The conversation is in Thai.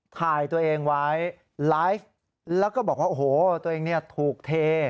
ถ่ายตัวเองไว้ไลฟ์แล้วก็บอกว่าโอ้โหตัวเองเนี่ยถูกเท